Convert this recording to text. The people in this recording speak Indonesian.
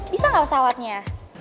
bisa gak pesawatnya